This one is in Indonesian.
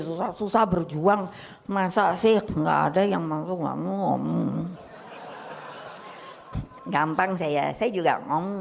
susah susah berjuang masa sih enggak ada yang mau ngomong gampang saya saya juga ngomong